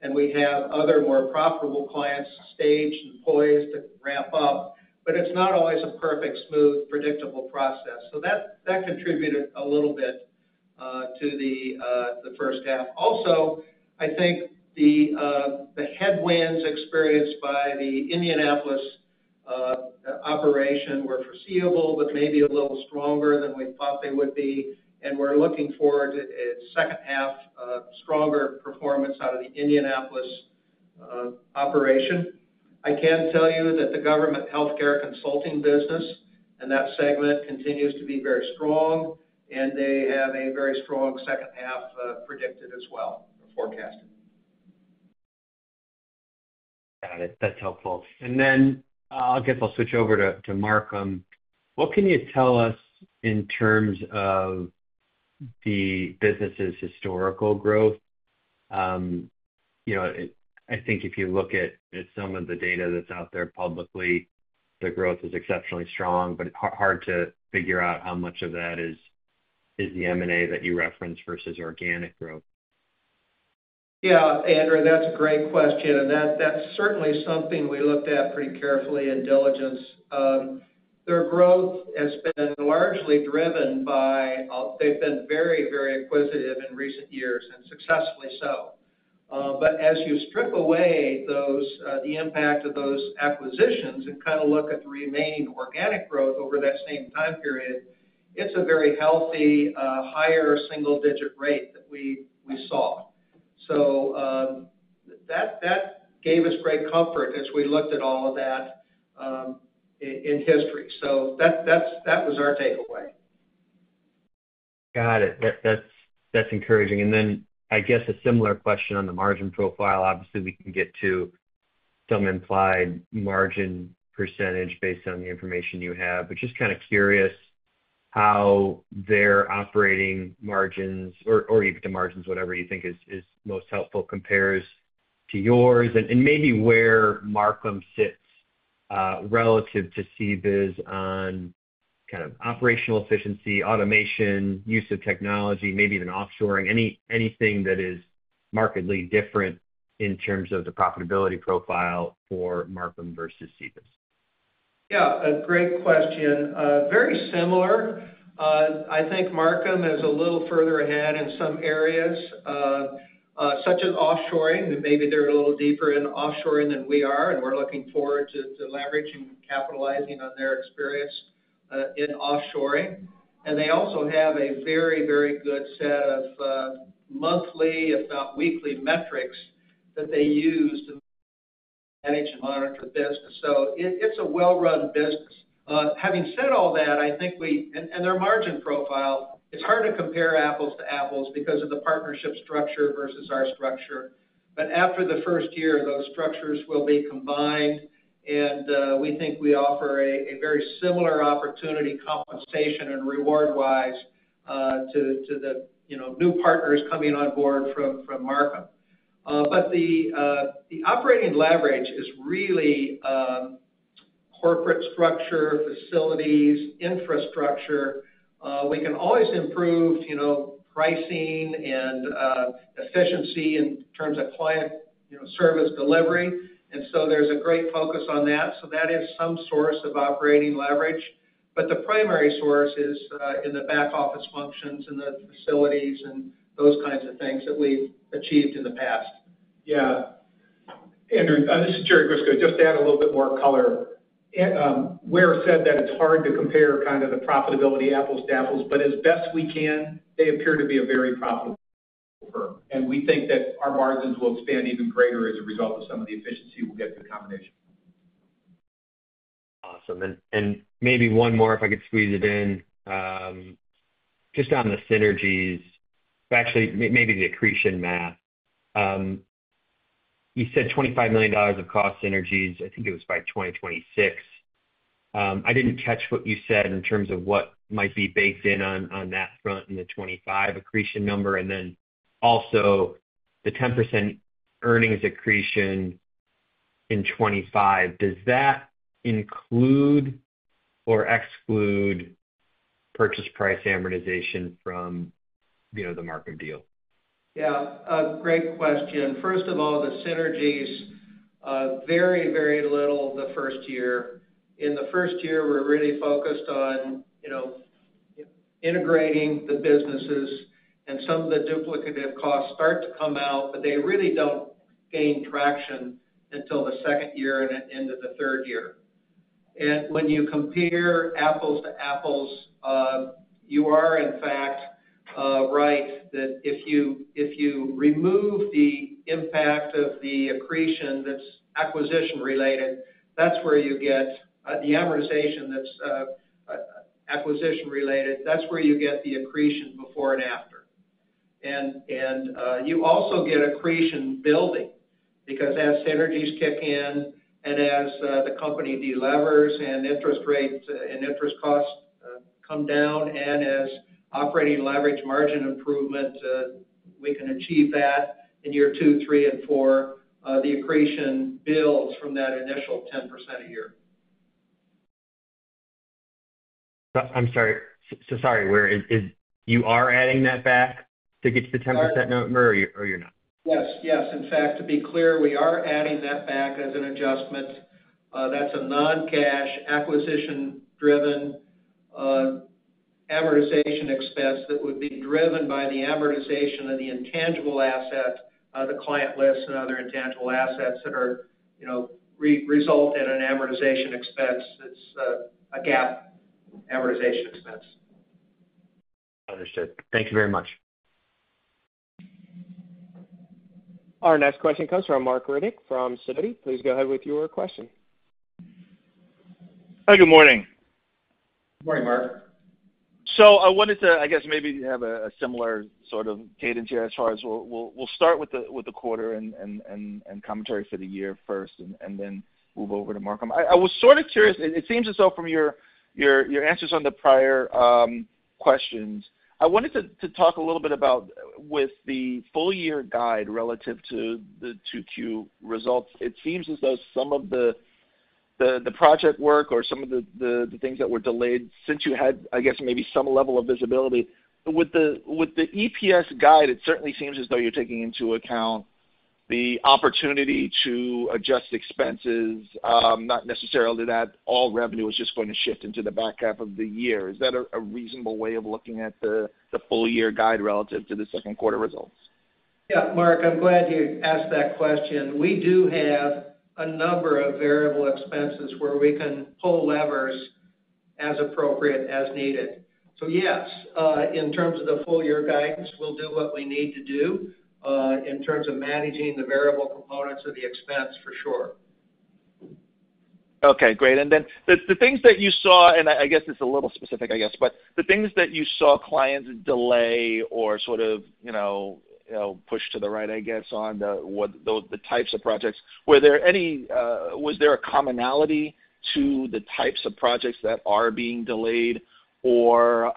and we have other more profitable clients staged and poised to ramp-up. But it's not always a perfect, smooth, predictable process. So that, that contributed a little bit to the first-half. Also, I think the headwinds experienced by the Indianapolis operation were foreseeable, but maybe a little stronger than we thought they would be, and we're looking forward to a second-half of stronger performance out of the Indianapolis operation. I can tell you that the government healthcare consulting business, and that segment continues to be very strong, and they have a very strong second-half predicted as well, or forecasted. Got it. That's helpful. And then, I guess I'll switch over to Marcum. What can you tell us in terms of the business's historical growth? You know, I think if you look at some of the data that's out there publicly, the growth is exceptionally strong, but hard to figure out how much of that is the M&A that you referenced versus organic growth. Yeah, Andrew Nicholas, that's a great question, and that, that's certainly something we looked at pretty carefully in diligence. Their growth has been largely driven by, they've been very, very acquisitive in recent years, and successfully so. But as you strip away those, the impact of those acquisitions and kind of look at the remaining organic growth over that same time period, it's a very healthy, higher single digit rate that we, we saw. So, that, that gave us great comfort as we looked at all of that, in history. So that, that's, that was our takeaway.... Got it. That, that's, that's encouraging. And then I guess a similar question on the margin profile. Obviously, we can get to some implied margin percentage based on the information you have. But just kind of curious how their operating margins or, or the margins, whatever you think is, is most helpful, compares to yours and, and maybe where Marcum sits, relative to CBIZ on kind of operational efficiency, automation, use of technology, maybe even offshoring, anything that is markedly different in terms of the profitability profile for Marcum versus CBIZ? Yeah, a great question. Very similar. I think Marcum is a little further ahead in some areas, such as offshoring. Maybe they're a little deeper in offshoring than we are, and we're looking forward to leveraging and capitalizing on their experience in offshoring. And they also have a very, very good set of monthly, if not weekly, metrics that they use to manage and monitor the business. So it's a well-run business. Having said all that, I think we and their margin profile, it's hard to compare apples to apples because of the partnership structure versus our structure. But after the first year, those structures will be combined, and we think we offer a very similar opportunity, compensation and reward-wise, to the you know, new partners coming on board from Marcum. But the operating leverage is really corporate structure, facilities, infrastructure. We can always improve, you know, pricing and efficiency in terms of client, you know, service delivery, and so there's a great focus on that. So that is some source of operating leverage. But the primary source is in the back office functions and the facilities and those kinds of things that we've achieved in the past. Yeah. Andrew Nicholas, this is Jerry Grisko. Just to add a little bit more color. And, Ware Grove said that it's hard to compare kind of the profitability apples to apples, but as best we can, they appear to be a very profitable firm, and we think that our margins will expand even greater as a result of some of the efficiency we'll get from the combination. Awesome. And, and maybe one more, if I could squeeze it in. Just on the synergies... Actually, maybe the accretion math. You said $25 million of cost synergies, I think it was by 2026. I didn't catch what you said in terms of what might be baked in on, on that front in the 25 accretion number, and then also the 10% earnings accretion in 2025. Does that include or exclude purchase price amortization from, you know, the Marcum deal? Yeah, a great question. First of all, the synergies, very, very little the first year. In the first year, we're really focused on, you know, integrating the businesses, and some of the duplicative costs start to come out, but they really don't gain traction until the second year and at end of the third year. And when you compare apples to apples, you are, in fact, right, that if you, if you remove the impact of the accretion that's acquisition-related, that's where you get, the amortization that's, acquisition-related, that's where you get the accretion before and after. You also get accretion building, because as synergies kick in and as the company de-levers and interest rates and interest costs come down, and as operating leverage margin improvements we can achieve that in year two, three, and four, the accretion builds from that initial 10% a year. I'm sorry. So sorry, where is... You are adding that back to get to the 10% number, or you, or you're not? Yes, yes. In fact, to be clear, we are adding that back as an adjustment. That's a non-cash, acquisition-driven, amortization expense that would be driven by the amortization of the intangible asset, the client lists and other intangible assets that are, you know, result in an amortization expense. It's a GAAP amortization expense. Understood. Thank you very much. Our next question comes from Marc Riddick, from Sidoti & Company. Please go ahead with your question. Hi, good morning. Good morning, Marc Riddick. So I wanted to, I guess, maybe have a similar sort of cadence here as far as we'll start with the quarter and commentary for the year first and then move over to Marcum. I was sort of curious, and it seems as though from your answers on the prior questions, I wanted to talk a little bit about with the full year guide relative to the 2Q results, it seems as though some of the project work or some of the things that were delayed since you had, I guess, maybe some level of visibility. With the EPS guide, it certainly seems as though you're taking into account the opportunity to adjust expenses, not necessarily that all revenue is just going to shift into the back half of the year. Is that a reasonable way of looking at the full year guide relative to the Q2 results? Yeah, Marc Riddick, I'm glad you asked that question. We do have a number of variable expenses where we can pull levers as appropriate, as needed. So yes, in terms of the full year guidance, we'll do what we need to do, in terms of managing the variable components of the expense, for sure. Okay, great. And then the things that you saw, and I guess it's a little specific, I guess, but the things that you saw clients delay or sort of, you know, push to the right, I guess, on the, what, those, the types of projects, were there any? Was there a commonality to the types of projects that are being delayed? Or,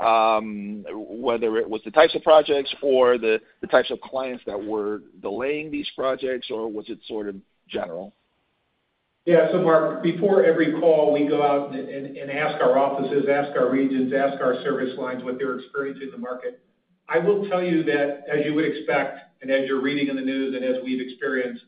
whether it was the types of projects or the types of clients that were delaying these projects, or was it sort of general? Yeah. So Marc Riddick, before every call, we go out and ask our offices, ask our regions, ask our service lines what they're experiencing in the market. I will tell you that, as you would expect, and as you're reading in the news, and as we've experienced,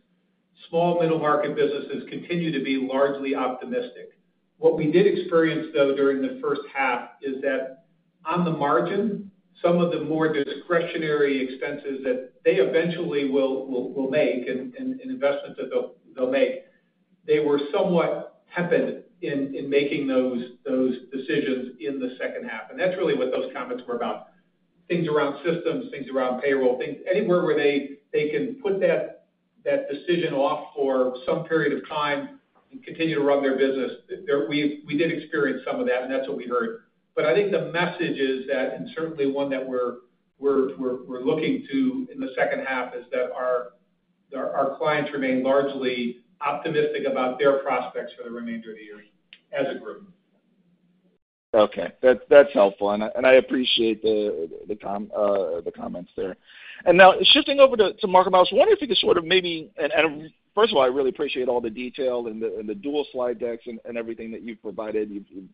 small middle-market businesses continue to be largely optimistic. What we did experience, though, during the first-half, is that on the margin, some of the more discretionary expenses that they eventually will make, and investments that they'll make, they were somewhat hedged in making those decisions in the second-half. And that's really what those comments were about. Things around systems, things around payroll, things anywhere where they can put that decision off for some period of time and continue to run their business, there we did experience some of that, and that's what we heard. But I think the message is that, and certainly one that we're looking to in the second-half, is that our clients remain largely optimistic about their prospects for the remainder of the year as a group. Okay, that's helpful, and I appreciate the comments there. And now shifting over to Marcum, I wonder if you could sort of maybe... And first of all, I really appreciate all the detail and the dual slide decks and everything that you've provided. You've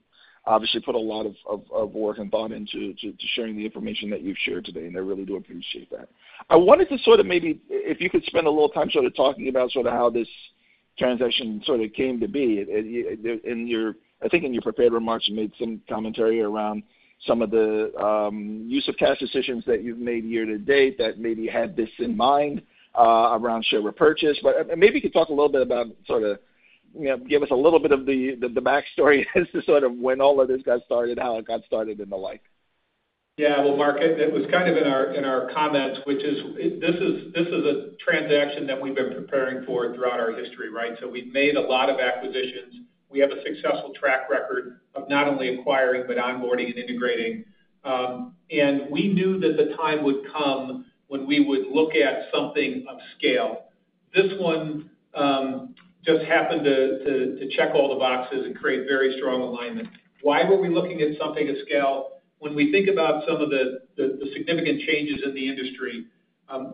obviously put a lot of work and thought into sharing the information that you've shared today, and I really do appreciate that. I wanted to sort of maybe, if you could spend a little time sort of talking about sort of how this transaction sort of came to be. In your prepared remarks, I think you made some commentary around some of the use of cash decisions that you've made year-to-date, that maybe had this in mind, around share repurchase. But, maybe you could talk a little bit about sort of, you know, give us a little bit of the back story as to sort of when all of this got started, how it got started and the like. Yeah. Well, Marc Riddick, it was kind of in our comments, which is, this is a transaction that we've been preparing for throughout our history, right? So we've made a lot of acquisitions. We have a successful track record of not only acquiring, but onboarding and integrating. And we knew that the time would come when we would look at something of scale. This one just happened to check all the boxes and create very strong alignment. Why were we looking at something of scale? When we think about some of the significant changes in the industry,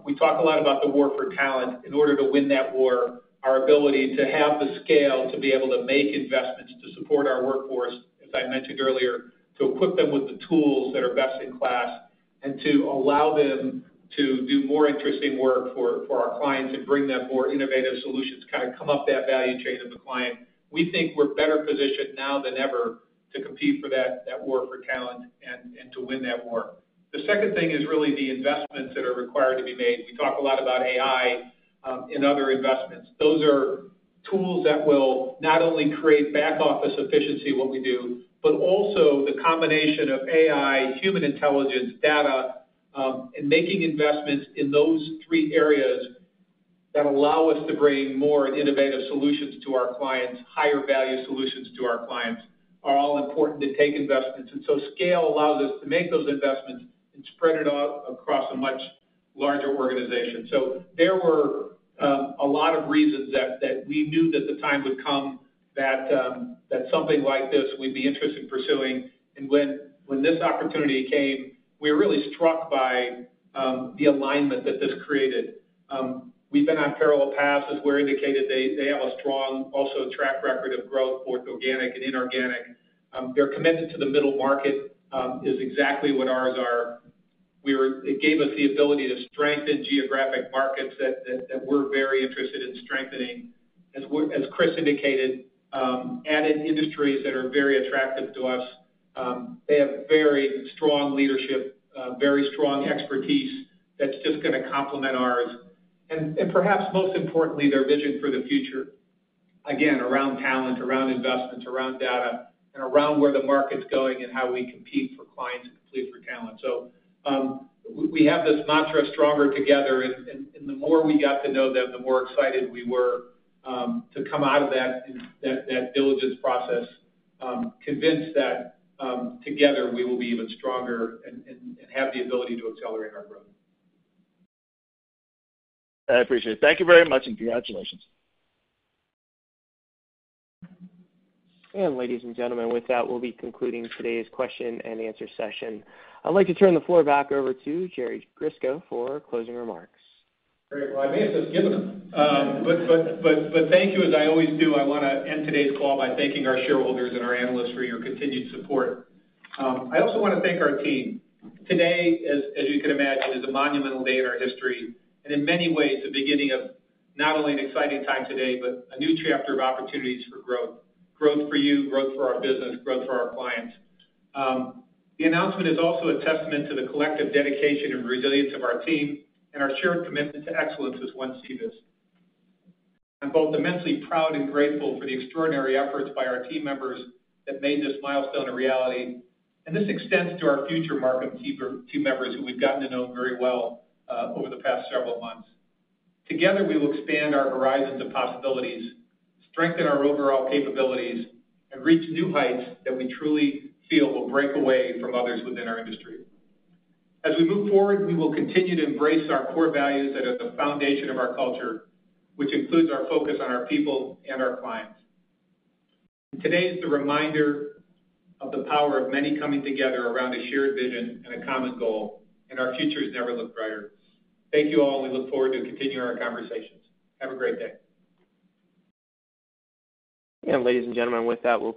we talk a lot about the war for talent. In order to win that war, our ability to have the scale, to be able to make investments to support our workforce, as I mentioned earlier, to equip them with the tools that are best in class, and to allow them to do more interesting work for our clients, and bring them more innovative solutions, kind of come up that value chain of the client. We think we're better positioned now than ever to compete for that war for talent, and to win that war. The second thing is really the investments that are required to be made. We talk a lot about AI, and other investments. Those are tools that will not only create back office efficiency, what we do, but also the combination of AI, human intelligence, data, and making investments in those three areas that allow us to bring more innovative solutions to our clients, higher value solutions to our clients, are all important to take investments. And so scale allows us to make those investments and spread it out across a much larger organization. So there were a lot of reasons that we knew that the time would come, that something like this we'd be interested in pursuing. And when this opportunity came, we were really struck by the alignment that this created. We've been on parallel paths. As Ware Grove indicated, they have a strong, also, track record of growth, both organic and inorganic. Their commitment to the middle market is exactly what ours are. It gave us the ability to strengthen geographic markets that we're very interested in strengthening. As Chris Spurio indicated, added industries that are very attractive to us. They have very strong leadership, very strong expertise that's just gonna complement ours, and perhaps most importantly, their vision for the future, again, around talent, around investments, around data, and around where the market's going and how we compete for clients and compete for talent. So, we have this mantra, stronger together, and the more we got to know them, the more excited we were to come out of that diligence process, convinced that together we will be even stronger and have the ability to accelerate our growth. I appreciate it. Thank you very much, and congratulations. Ladies and gentlemen, with that, we'll be concluding today's Q&A session. I'd like to turn the floor back over to Jerry Grisko for closing remarks. Great. Well, I may have just given them. But thank you. As I always do, I wanna end today's call by thanking our shareholders and our analysts for your continued support. I also wanna thank our team. Today, as you can imagine, is a monumental day in our history, and in many ways, the beginning of not only an exciting time today, but a new chapter of opportunities for growth. Growth for you, growth for our business, growth for our clients. The announcement is also a testament to the collective dedication and resilience of our team, and our shared commitment to excellence as one CBIZ. I'm both immensely proud and grateful for the extraordinary efforts by our team members that made this milestone a reality, and this extends to our future Marcum team members, who we've gotten to know very well over the past several months. Together, we will expand our horizons of possibilities, strengthen our overall capabilities, and reach new heights that we truly feel will break away from others within our industry. As we move forward, we will continue to embrace our core values that are the foundation of our culture, which includes our focus on our people and our clients. Today is the reminder of the power of many coming together around a shared vision and a common goal, and our future has never looked brighter. Thank you all, and we look forward to continuing our conversations. Have a great day. Ladies and gentlemen, with that, we'll-